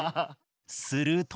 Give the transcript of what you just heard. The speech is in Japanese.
すると。